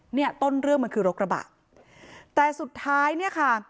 เนี่ยต้นเรื่องมันคือรถกระบะแต่สุดท้ายเนี่ยค่ะ